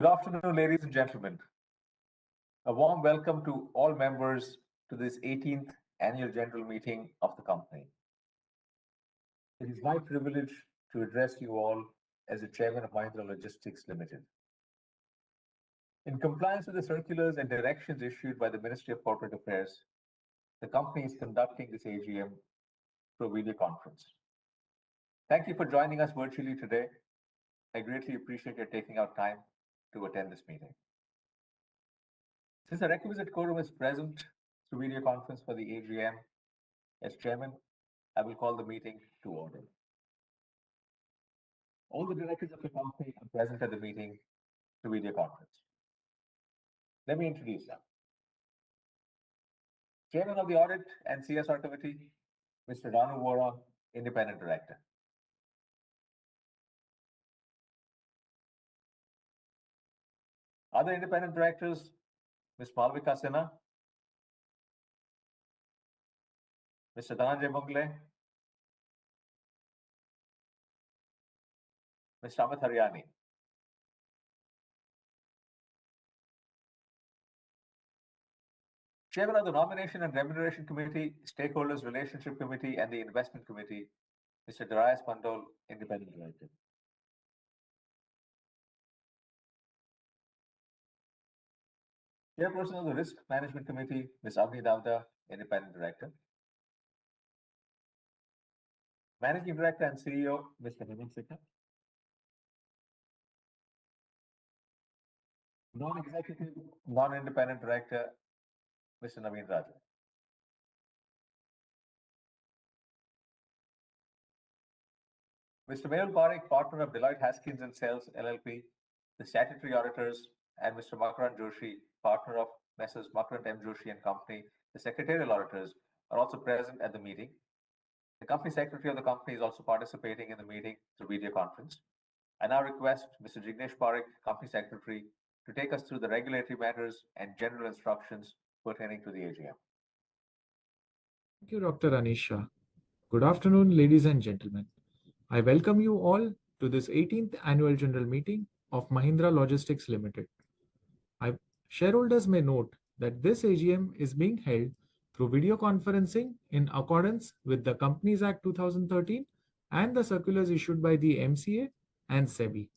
Good afternoon, ladies and gentlemen. A warm welcome to all members to this 18th Annual General Meeting of the company. It is my privilege to address you all as the Chairman of Mahindra Logistics Ltd. In compliance with the Circulars and Directions issued by the Ministry of Corporate Affairs, the company is conducting this AGM through video conference. Thank you for joining us virtually today. I greatly appreciate your taking out time to attend this meeting. Since a requisite quorum is present to video conference for the AGM, as Chairman, I will call the meeting to order. All the Directors of the company are present at the meeting through video conference. Let me introduce them. Chairman of the Audit and CSR Committee, Mr. Ranu Vohra, Independent Director. Other Independent Directors, Ms. Malvika Sinha, Mr. Dhananjay Mungale, Mr. Ameet Hariani. Chairman of the Nomination, Remuneration, Stakeholders Relationship, and Investment Committees, Mr. Darius Pandole, Independent Director. Chairperson of the Risk Management Committee, Ms. Avani Devda, Independent Director. Managing Director and CEO, Mr. Hemant Sikka. Non-Executive Non-Independent Director, Mr. Naveen Raju. Mr. Mehul Parik, Partner of Deloitte Haskins and Sells LLP, the Statutory Auditors, and Mr. Makarand Joshi, Partner of M/s. Makarand M. Joshi & Company, the Secretarial Auditors, are also present at the meeting. The Company Secretary of the company is also participating in the meeting through video conference. I now request Mr. Jignesh Parikh, Company Secretary, to take us through the regulatory matters and general instructions for attending to the AGM. Thank you, Dr. Anish Shah. Good afternoon, ladies and gentlemen. I welcome you all to this 18th Annual General Meeting of Mahindra Logistics Ltd. Shareholders may note that this AGM is being held through video conferencing in accordance with the Companies Act 2013 and the circulars issued by the MCA and SEBI.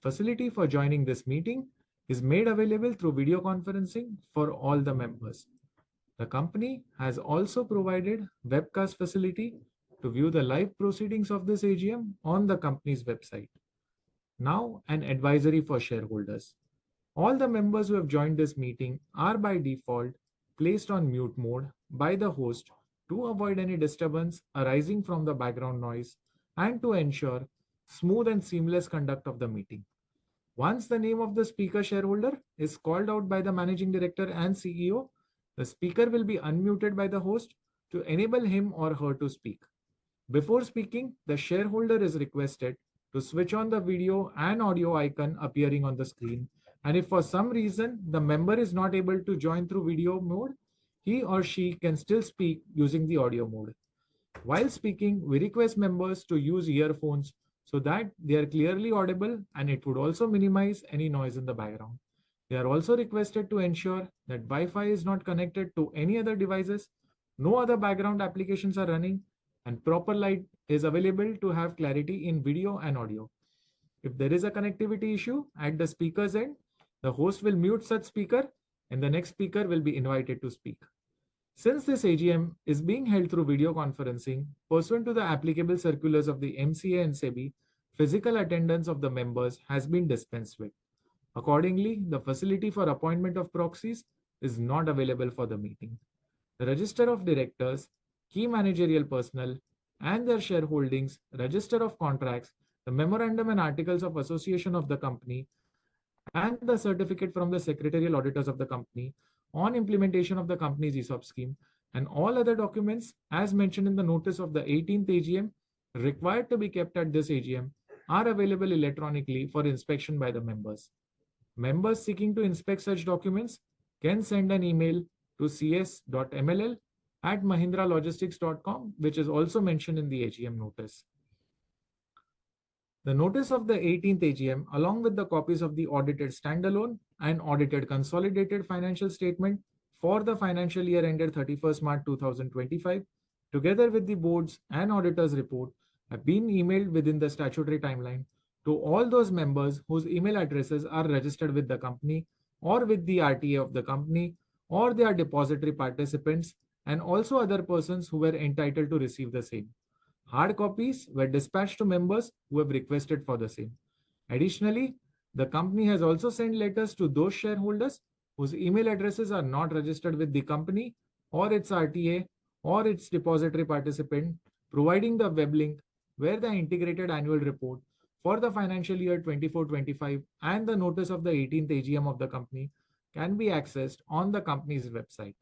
Facility for joining this meeting is made available through video conferencing for all the members. The company has also provided a webcast facility to view the live proceedings of this AGM on the company's website. Now, an advisory for shareholders. All the members who have joined this meeting are, by default, placed on mute mode by the host to avoid any disturbance arising from the background noise and to ensure smooth and seamless conduct of the meeting. Once the name of the Speaker Shareholder is called out by the Managing Director and CEO, the Speaker will be unmuted by the host to enable him or her to speak. Before speaking, the Shareholder is requested to switch on the video and audio icon appearing on the screen, and if for some reason the member is not able to join through video mode, he or she can still speak using the audio mode. While speaking, we request members to use earphones so that they are clearly audible and it would also minimize any noise in the background. They are also requested to ensure that Wi-Fi is not connected to any other devices, no other background applications are running, and proper light is available to have clarity in video and audio. If there is a connectivity issue at the Speaker's end, the host will mute that Speaker and the next Speaker will be invited to speak. Since this AGM is being held through video conferencing, pursuant to the applicable circulars of the MCA and SEBI, physical attendance of the members has been dispensed with. Accordingly, the facility for appointment of proxies is not available for the meeting. The Register of Directors, Key Managerial Personnel, and their Shareholdings, Register of Contracts, the Memorandum and Articles of Association of the Company, and the Certificate from the Secretarial Auditors of the Company on implementation of the company's ESOP scheme and all other documents as mentioned in the notice of the 18th AGM required to be kept at this AGM are available electronically for inspection by the members. Members seeking to inspect such documents can send an email to cs.ml@mahindralogistics.com, which is also mentioned in the AGM notice. The notice of the 18th AGM, along with the copies of the audited standalone and audited consolidated financial statement for the financial year ended 31st March 2025, together with the Board's and Auditor's report, have been emailed within the statutory timeline to all those members whose email addresses are registered with the company or with the RTA of the company or their depository participants and also other persons who were entitled to receive the same. Hard copies were dispatched to members who have requested for the same. Additionally, the company has also sent letters to those shareholders whose email addresses are not registered with the company or its RTA or its depository participant, providing the web link where the Integrated Annual Report for the financial year 2024-2025 and the notice of the 18th AGM of the company can be accessed on the company's website.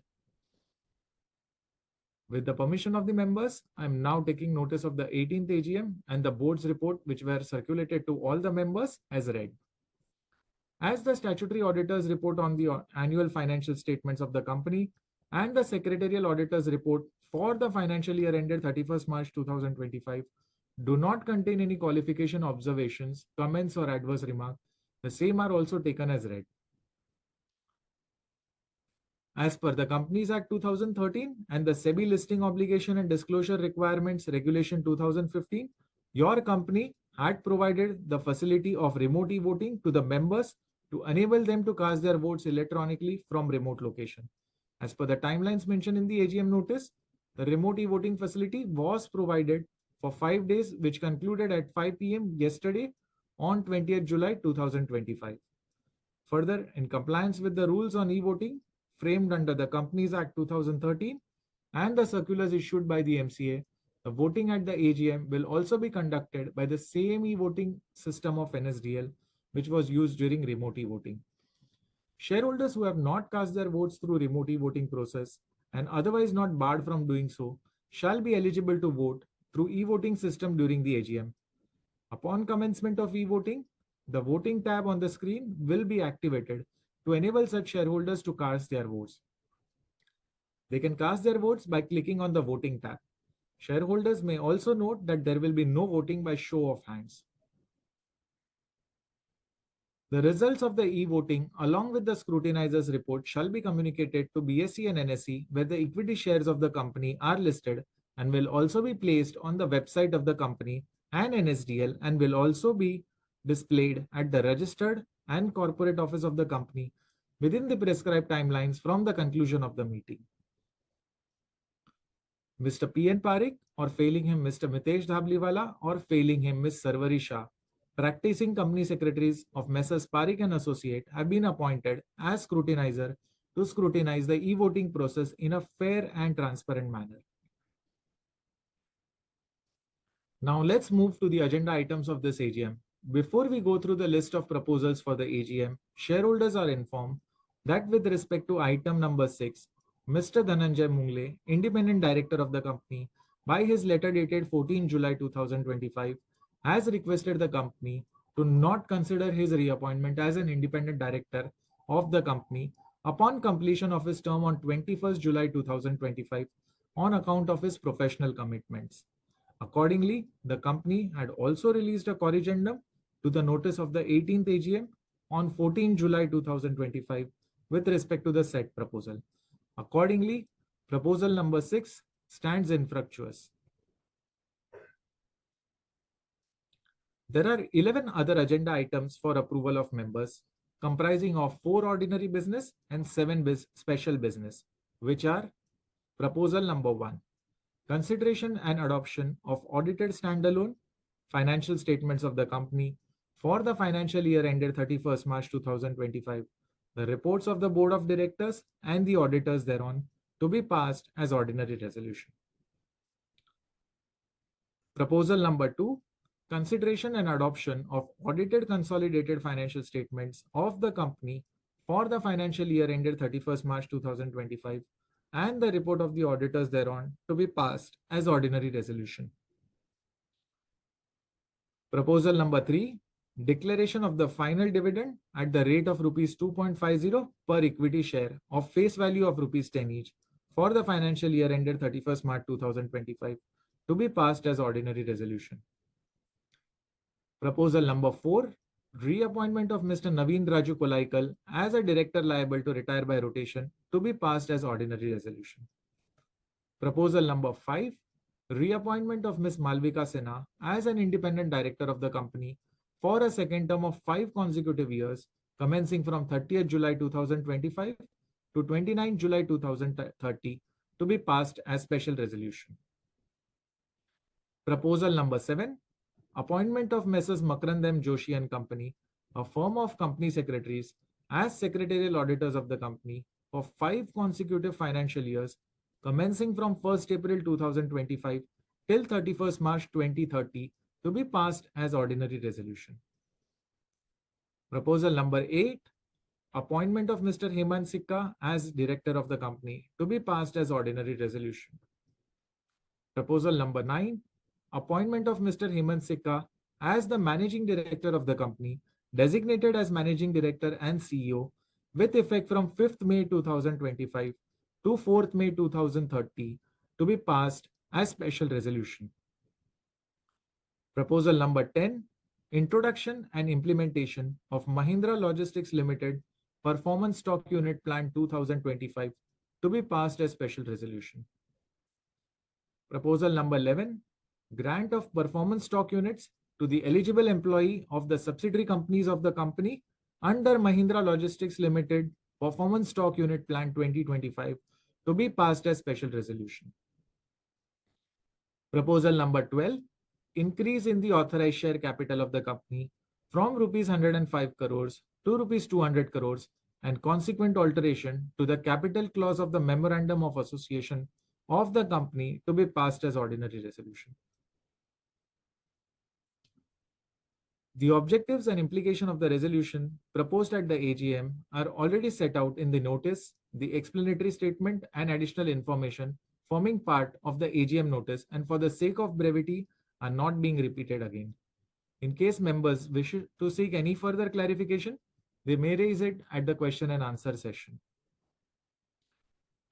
With the permission of the members, I am now taking notice of the 18th AGM and the Board's report, which were circulated to all the members, as read. As the Statutory Auditors report on the annual financial statements of the company and the Secretarial Auditors report for the financial year ended 31st March 2025 do not contain any qualification, observations, comments, or adverse remarks, the same are also taken as read. As per the Companies Act 2013 and the SEBI Listing Obligation and Disclosure Requirements Regulation 2015, your company had provided the facility of remote e-voting to the members to enable them to cast their votes electronically from remote location. As per the timelines mentioned in the AGM notice, the remote e-voting facility was provided for five days, which concluded at 5:00 P.M. yesterday, on 28 July 2025. Further, in compliance with the rules on e-voting framed under the Companies Act 2013 and the Circulars issued by the MCA, the voting at the AGM will also be conducted by the same e-voting system of NSDL, which was used during remote e-voting. Shareholders who have not cast their votes through the remote e-voting process and otherwise not barred from doing so shall be eligible to vote through the e-voting system during the AGM. Upon commencement of e-voting, the Voting tab on the screen will be activated to enable such shareholders to cast their votes. They can cast their votes by clicking on the Voting tab. Shareholders may also note that there will be no voting by show of hands. The results of the e-voting, along with the Scrutinizer's report, shall be communicated to BSE and NSE where the equity shares of the company are listed and will also be placed on the website of the company and NSDL and will also be displayed at the Registered and Corporate Office of the company within the prescribed timelines from the conclusion of the meeting. Mr. P.N. Parikh or failing him Mr. Mitesh Dhabliwala or failing him Ms. Sarvari Shah, practicing Company Secretaries of M/s. Parikh and Associates, have been appointed as Scrutinizer to scrutinize the e-voting process in a fair and transparent manner. Now, let's move to the agenda items of this AGM. Before we go through the list of proposals for the AGM, shareholders are informed that with respect to item number 6, Mr. Dhananjay Mungale Independent Director of the company, by his letter dated 14 July 2025, has requested the company to not consider his reappointment as an Independent Director of the company upon completion of his term on 21st July 2025 on account of his professional commitments. Accordingly, the company had also released a Corrigendum to the notice of the 18th AGM on 14 July 2025 with respect to the said proposal. Accordingly, proposal number 6 stands infructuous. There are 11 other agenda items for approval of members, comprising of four Ordinary Business and seven Special Business, which are: Proposal number one, Consideration and Adoption of Audited Standalone Financial Statements of the company for the financial year ended 31st March 2025, the Reports of the Board of Directors and the Auditors thereon, to be passed as Ordinary Resolution. Proposal number two, Consideration and Adoption of Audited Consolidated Financial Statements of the company for the financial year ended 31st March 2025, and the Report of the Auditors thereon, to be passed as Ordinary Resolution. Proposal number three, Declaration of the Final Dividend at the rate of rupees 2.50 per equity share of face value of rupees 10 each for the financial year ended 31st March 2025, to be passed as Ordinary Resolution. Proposal number four, Reappointment of Mr. Naveen Raju Kollaickal as a Director liable to retire by rotation, to be passed as Ordinary Resolution. Proposal number five, Reappointment of Ms. Malvika Sinha as an Independent Director of the company for a second term of five consecutive years, commencing from 30th July 2025 to 29th July 2030, to be passed as Special Resolution. Proposal number eight, Appointment of Ms. Makarand M. Joshi & Company, a firm of Company Secretaries, as Secretarial Auditors of the Company for five consecutive financial years, commencing from 1st April 2025 till March 31st, 2030, to be passed as Ordinary Resolution. Proposal number eight, Appointment of Mr. Hemant Sikka as Director of the Company, to be passed as Ordinary Resolution. Proposal number nine, Appointment of Mr. Hemant Sikka as the Managing Director of the Company, designated as Managing Director and CEO, with effect from May 5th, 2025 to May 4th, 2030, to be passed as Special Resolution. Proposal number 10, Introduction and Implementation of Mahindra Logistics Limited Performance Stock Unit Plan 2025, to be passed as Special Resolution. Proposal number 11, Grant of Performance Stock Units to the eligible employee of the subsidiary companies of the Company under Mahindra Logistics Limited Performance Stock Unit Plan 2025, to be passed as Special Resolution. Proposal number 12, Increase in the authorized share capital of the Company from rupees 105 crores - rupees 200 crores, and consequent alteration to the Capital Clause of the Memorandum of Association of the Company, to be passed as Ordinary Resolution. The objectives and implications of the resolution proposed at the AGM are already set out in the notice, the explanatory statement, and additional information forming part of the AGM notice, and for the sake of brevity, are not being repeated again. In case members wish to seek any further clarification, they may raise it at the question and answer session.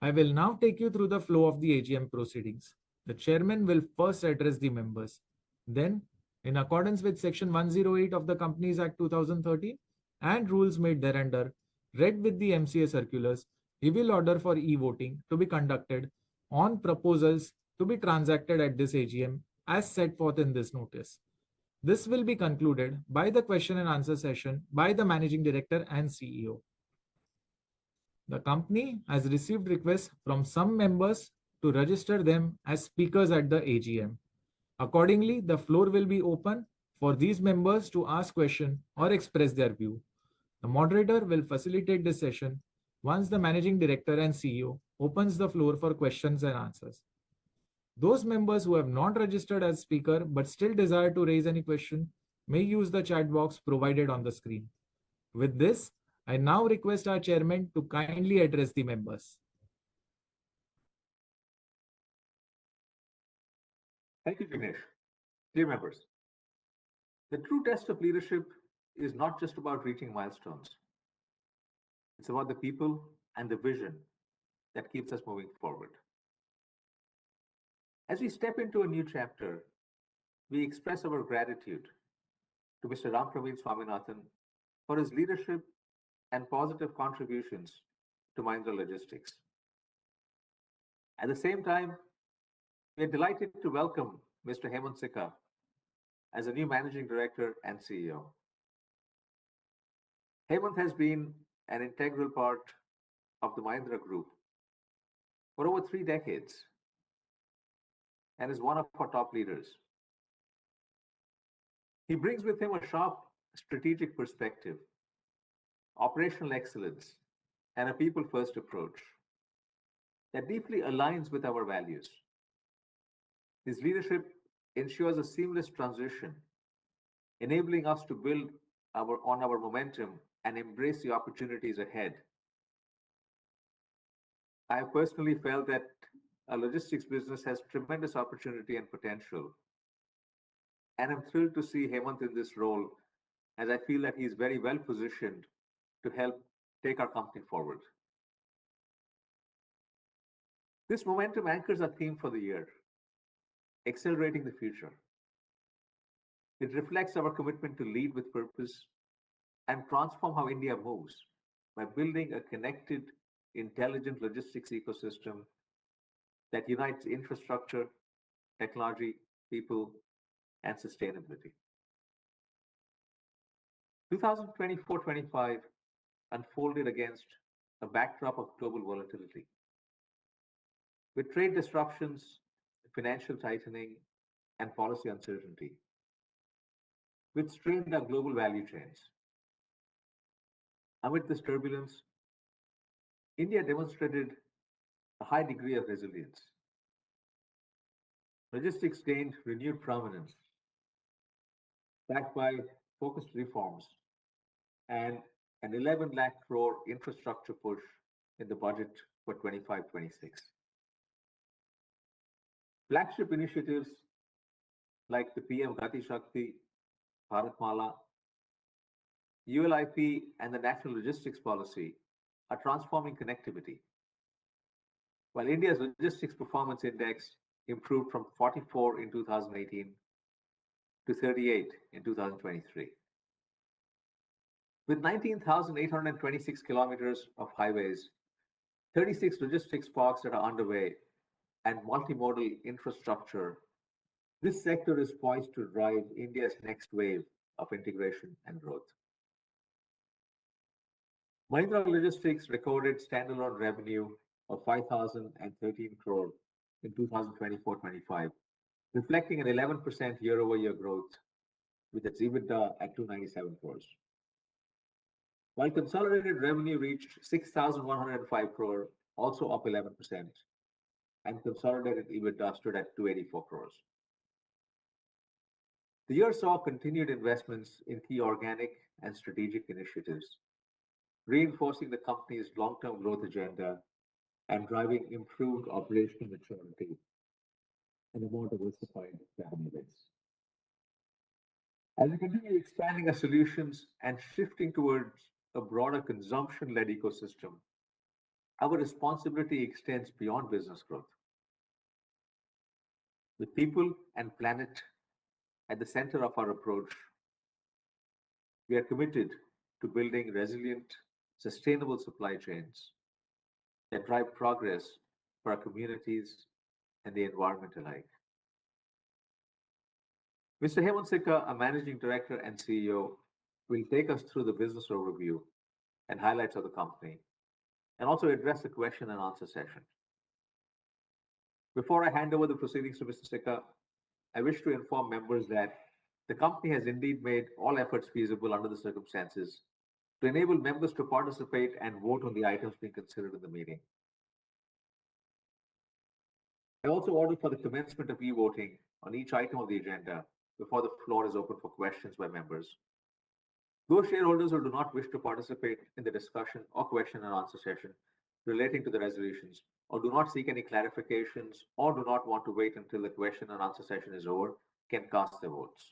I will now take you through the flow of the AGM proceedings. The Chairman will first address the members. Then, in accordance with Section 108 of the Companies Act 2013 and rules made thereunder, read with the MCA Circulars, he will order for e-voting to be conducted on proposals to be transacted at this AGM as set forth in this notice. This will be concluded by the question and answer session by the Managing Director and CEO. The Company has received requests from some members to register them as speakers at the AGM. Accordingly, the floor will be open for these members to ask questions or express their view. The moderator will facilitate the session once the Managing Director and CEO open the floor for questions and answers. Those members who have not registered as speakers but still desire to raise any questions may use the chat box provided on the screen. With this, I now request our Chairman to kindly address the members. Thank you, Jignesh. Dear members, the true test of leadership is not just about reaching milestones, it's about the people and the vision that keeps us moving forward. As we step into a new chapter, we express our gratitude to Mr. Rampraveen Swaminathan for his leadership and positive contributions to Mahindra Logistics. At the same time, we are delighted to welcome Mr. Hemant Sikka as the new Managing Director and CEO. Hemant has been an integral part of the Mahindra Group for over three decades and is one of our top leaders. He brings with him a sharp strategic perspective, operational excellence, and a people-first approach that deeply aligns with our values. His leadership ensures a seamless transition, enabling us to build on our momentum and embrace the opportunities ahead. I have personally felt that our logistics business has tremendous opportunity and potential, and I'm thrilled to see Hemant in this role as I feel that he is very well positioned to help take our company forward. This momentum anchors our theme for the year, Accelerating the Future. It reflects our commitment to lead with purpose and transform how India moves by building a connected, intelligent logistics ecosystem that unites infrastructure, technology, people, and sustainability. FY 2024-2025 unfolded against a backdrop of global volatility, with trade disruptions, financial tightening, and policy uncertainty, with strain in our global value chains. Amid this turbulence, India demonstrated a high degree of resilience. Logistics gained renewed prominence backed by focused reforms and an 11 lakh crore infrastructure push in the budget for 2025-2026. Flagship initiatives like the PM Gati Shakti, Bharatmala, ULIP, and the National Logistics Policy are transforming connectivity, while India's Logistics Performance Index improved from 44 in 2018 to 38 in 2023. With 19,826 km of highways, 36 logistics parks that are underway, and multimodal infrastructure, this sector is poised to drive India's next wave of integration and growth. Mahindra Logistics recorded standalone revenue of 5,013 crore in FY 2024-2025, reflecting an 11% year-over-year growth with its EBITDA at 297 crore. While consolidated revenue reached 6,105 crore, also up 11%, and consolidated EBITDA stood at 284 crore. The year saw continued investments in key organic and strategic initiatives, reinforcing the company's long-term growth agenda and driving improved operational maturity and a more diversified family base. As we continue expanding our solutions and shifting towards a broader consumption-led ecosystem, our responsibility extends beyond business growth. With people and planet at the center of our approach, we are committed to building resilient, sustainable supply chains that drive progress for our communities and the environment alike. Mr. Hemant Sikka, our Managing Director and CEO, will take us through the business overview and highlights of the company, and also address the question and answer session. Before I hand over the proceedings to Mr. Sikka, I wish to inform members that the company has indeed made all efforts feasible under the circumstances to enable members to participate and vote on the items being considered in the meeting. I also order for the commencement of e-voting on each item of the agenda before the floor is open for questions by members. Those shareholders who do not wish to participate in the discussion or question and answer session relating to the resolutions, or do not seek any clarifications or do not want to wait until the question and answer session is over, can cast their votes.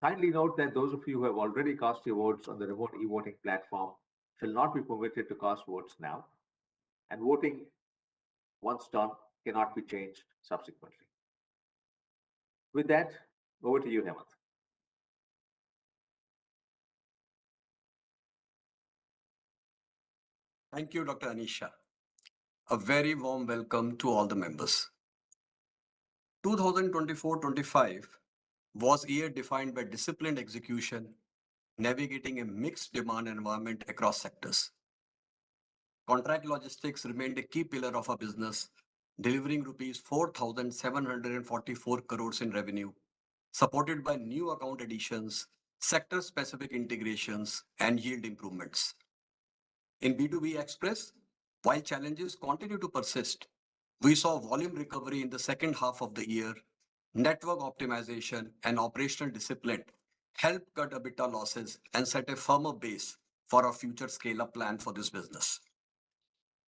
Kindly note that those of you who have already cast your votes on the remote e-voting platform shall not be permitted to cast votes now, and voting once done cannot be changed subsequently. With that, over to you, Hemant. Thank you, Dr. Anish Shah. A very warm welcome to all the members. FY 2024-2025 was a year defined by disciplined execution, navigating a mixed demand environment across sectors. Contract logistics remained a key pillar of our business, delivering rupees 4,744 crore in revenue, supported by new account additions, sector-specific integrations, and yield improvements. In B2B express, while challenges continue to persist, we saw volume recovery in the second half of the year. Network optimization and operational discipline helped cut EBITDA losses and set a firmer base for our future scale-up plan for this business.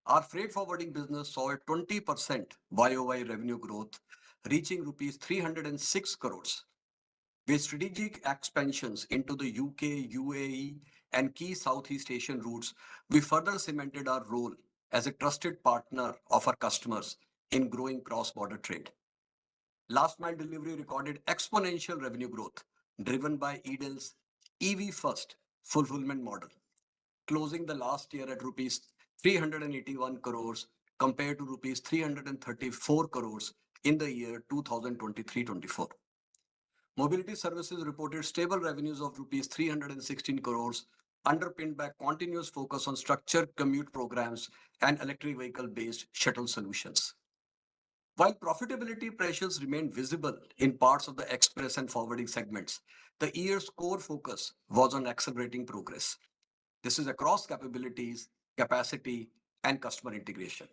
Our freight forwarding business saw a 20% year-over-year revenue growth, reaching rupees 306 crore. With strategic expansions into the U.K., UAE, and key Southeast Asian routes, we further cemented our role as a trusted partner of our customers in growing cross-border trade. Last mile delivery recorded exponential revenue growth, driven by Eden's EV-First fulfillment model, closing the last year at rupees 381 crore compared to rupees 334 crore in the year 2023-2024. Mobility services reported stable revenues of rupees 316 crore, underpinned by a continuous focus on structured commute programs and electric vehicle-based shuttle solutions. While profitability pressures remained visible in parts of the express and forwarding segments, the year's core focus was on accelerating progress. This is across capabilities, capacity, and customer integration.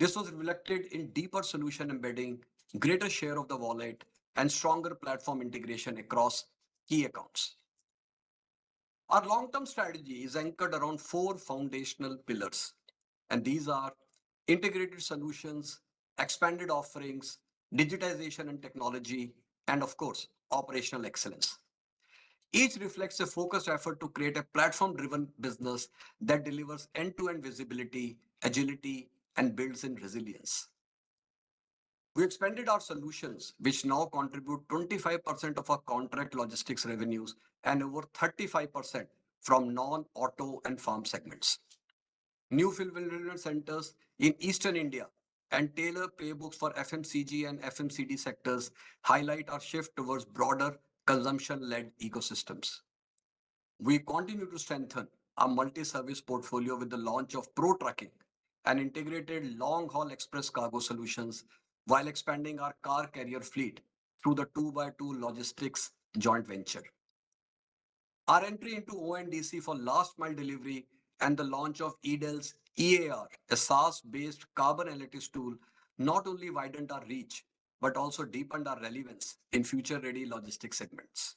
This was reflected in deeper solution embedding, greater share of the wallet, and stronger platform integration across key accounts. Our long-term strategy is anchored around four foundational pillars, and these are integrated solutions, expanded offerings, digitization and technology, and of course, operational excellence. Each reflects a focused effort to create a platform-driven business that delivers end-to-end visibility, agility, and builds in resilience. We expanded our solutions, which now contribute 25% of our contract logistics revenues and over 35% from non-auto and farm segments. New fulfillment centers in Eastern India and tailored playbooks for FMCG and FMCD sectors highlight our shift towards broader consumption-led ecosystems. We continue to strengthen our multi-service portfolio with the launch of ProTracking, an integrated long-haul express cargo solution, while expanding our car carrier fleet through the 2x2 Logistics joint venture. Our entry into ONDC for last mile delivery and the launch of Eden's EAR, a SaaS-based carbon analytics tool, not only widened our reach but also deepened our relevance in future-ready logistics segments.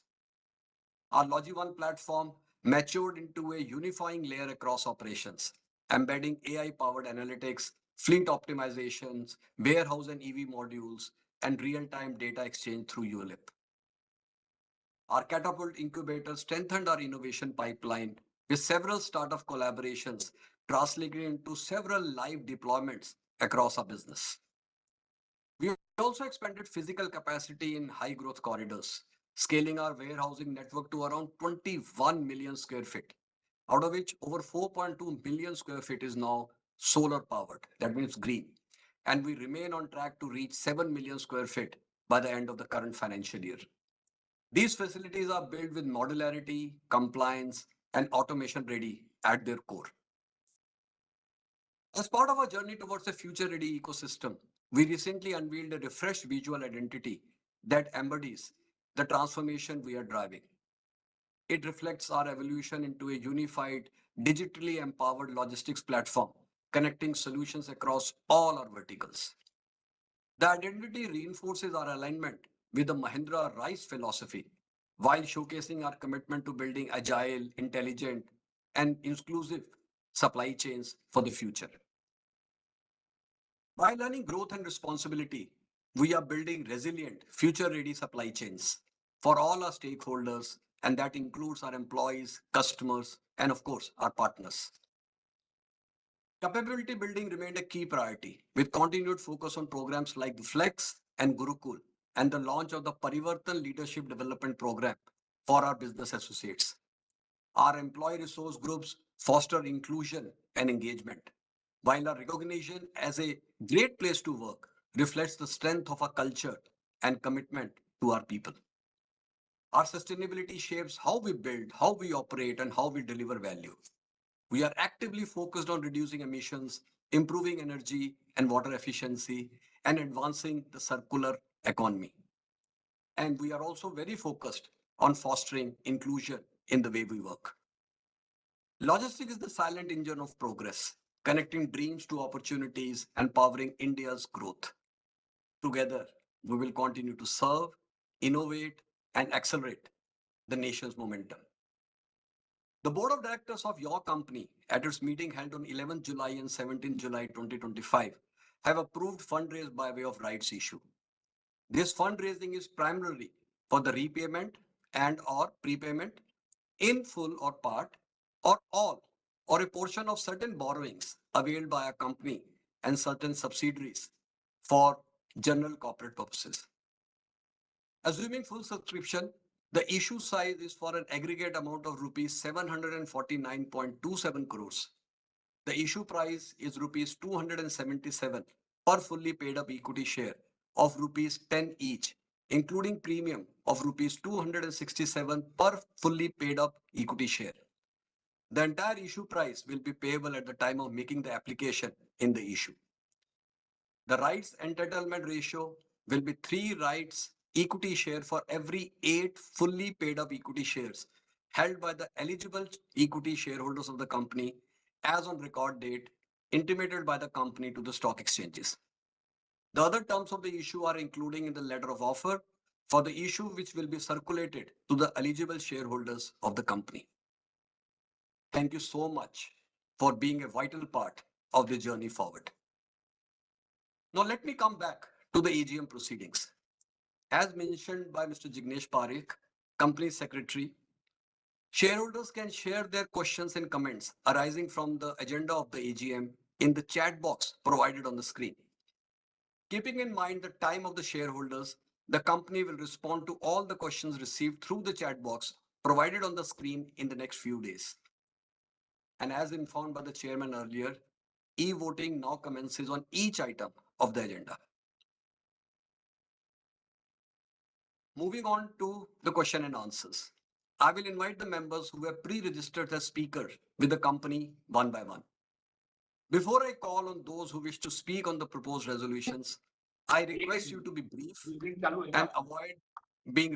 Our LogiOne platform matured into a unifying layer across operations, embedding AI-powered analytics, fleet optimizations, warehouse and EV modules, and real-time data exchange through ULIP. Our Catapult incubator strengthened our innovation pipeline with several startup collaborations translated into several live deployments across our business. We also expanded physical capacity in high-growth corridors, scaling our warehousing network to around 21 million sq ft, out of which over 4.2 million sq ft is now solar-powered. That means green. We remain on track to reach 7 million sq ft by the end of the current financial year. These facilities are built with modularity, compliance, and automation ready at their core. As part of our journey towards a future-ready ecosystem, we recently unveiled a refreshed visual identity that embodies the transformation we are driving. It reflects our evolution into a unified, digitally empowered logistics platform, connecting solutions across all our verticals. The identity reinforces our alignment with the Mahindra RISE philosophy while showcasing our commitment to building agile, intelligent, and inclusive supply chains for the future. By learning growth and responsibility, we are building resilient, future-ready supply chains for all our stakeholders, and that includes our employees, customers, and of course, our partners. Capability building remained a key priority, with continued focus on programs like the FLEx and Gurukul and the launch of the Parivartan Leadership Development Program for our business associates. Our employee resource groups foster inclusion and engagement, while our recognition as a great place to work reflects the strength of our culture and commitment to our people. Our sustainability shapes how we build, how we operate, and how we deliver value. We are actively focused on reducing emissions, improving energy and water efficiency, and advancing the circular economy. We are also very focused on fostering inclusion in the way we work. Logistics is the silent engine of progress, connecting dreams to opportunities and powering India's growth. Together, we will continue to serve, innovate, and accelerate the nation's momentum. The Board of Directors of your company, at its meeting held on July 11 and July 17, 2025, has approved fundraising by way of rights issue. This fundraising is primarily for the repayment and/or prepayment in full or part, or all, or a portion of certain borrowings availed by the company and certain subsidiaries for general corporate purposes. Assuming full subscription, the issue size is for an aggregate amount of rupees 749.27 crore. The issue price is rupees 277 per fully paid-up equity share of rupees 10 each, including premium of rupees 267 per fully paid-up equity share. The entire issue price will be payable at the time of making the application in the issue. The rights entitlement ratio will be three rights equity shares for every eight fully paid-up equity shares held by the eligible equity shareholders of the company as on record date intimated by the company to the stock exchanges. The other terms of the issue are included in the letter of offer for the issue, which will be circulated to the eligible shareholders of the company. Thank you so much for being a vital part of the journey forward. Now, let me come back to the AGM proceedings. As mentioned by Mr. Jignesh Parikh, Company Secretary, shareholders can share their questions and comments arising from the agenda of the AGM in the chat box provided on the screen. Keeping in mind the time of the shareholders, the company will respond to all the questions received through the chat box provided on the screen in the next few days. As informed by the Chairman earlier, e-voting now commences on each item of the agenda. Moving on to the question and answers, I will invite the members who have pre-registered as speakers with the company one by one. Before I call on those who wish to speak on the proposed resolutions, I request you to be brief and avoid being.